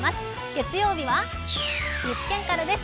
月曜日は岐阜県からです。